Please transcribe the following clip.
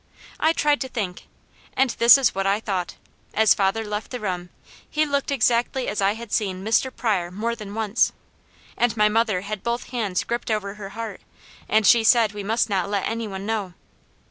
I tried to think, and this is what I thought: as father left the room, he looked exactly as I had seen Mr. Pryor more than once, and my mother had both hands gripped over her heart, and she said we must not let any one know.